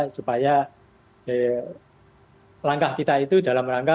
supaya langkah kita itu dalam rangka